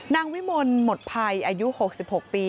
นางวิมนต์หมดภัยอายุ๖๖ปี